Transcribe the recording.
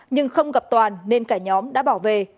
nhưng không gặp toàn nên cả nhóm đã bỏ về